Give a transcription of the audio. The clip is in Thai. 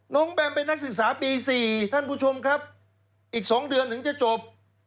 แบมเป็นนักศึกษาปี๔ท่านผู้ชมครับอีก๒เดือนถึงจะจบ